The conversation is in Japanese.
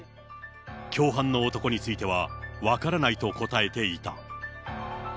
共犯の男については、分からないと答えていた。